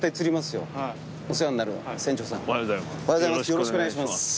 よろしくお願いします。